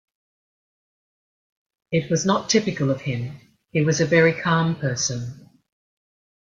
It was not typical of him, he was a very calm person.